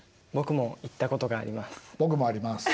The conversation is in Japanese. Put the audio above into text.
僕もあります。